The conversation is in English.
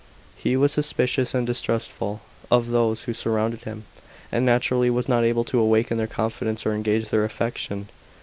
He was suspicious and distrustful of those who surrounded him ; and naturally was not able to awaken their confidence or engage their affection.